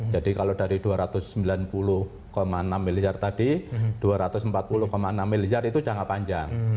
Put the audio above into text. kalau dari dua ratus sembilan puluh enam miliar tadi dua ratus empat puluh enam miliar itu jangka panjang